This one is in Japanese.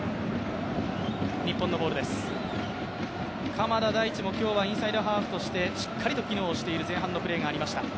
鎌田大地も今日はインサイドハーフとしてしっかりと機能をしている前半のプレーがありました。